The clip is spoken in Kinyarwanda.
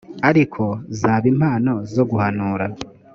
ariko zaba impano zo guhanura